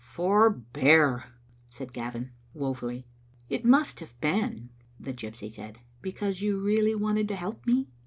"Forbear!" said Gavin, woefully. "It must have been," the gypsy said, "because you really wanted to help me."